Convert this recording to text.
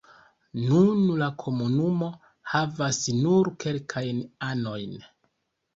Nun la komunumo havas nur kelkajn anojn.